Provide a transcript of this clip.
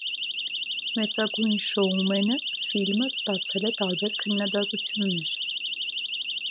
«Մեծագույն շոումենը» ֆիլմը ստացել է տարբեր քննադատություններ։